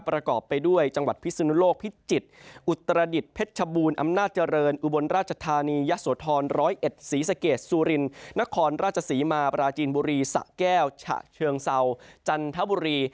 ประกอบไปด้วยจังหวัดพิศนุโลกพิจิตรอุตรดิษฐ์เพชรชบูรณ์อำนาจเจริญอุบลราชธานียะโสธร๑๐๑ศรีสะเกดสุรินนครราชศรีมาปราจีนบุรีสะแก้วฉะเชิงเซาจันทบุรี